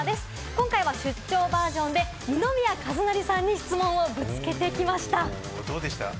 今回は出張バージョンで二宮和也さんに質問をぶつけてきました。